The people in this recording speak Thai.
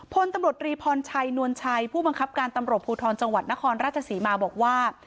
พลตำรวจรีพรชัยนวลชัยผู้บังคับการตำรวจภูทรจังหวัดนครราชศรีมาบอกว่า